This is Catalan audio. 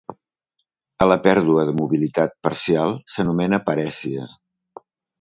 A la pèrdua de mobilitat parcial s'anomena parèsia.